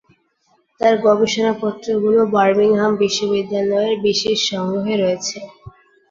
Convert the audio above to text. তাঁর গবেষণাপত্রগুলো বার্মিংহাম বিশ্ববিদ্যালয়ের বিশেষ সংগ্রহে রয়েছে।